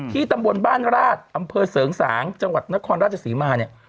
ตำบลบ้านราชอำเภอเสริงสางจังหวัดนครราชศรีมาเนี่ย